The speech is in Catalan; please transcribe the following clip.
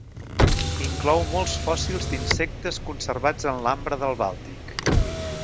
Inclou molts fòssils d'insectes conservats en l'ambre del Bàltic.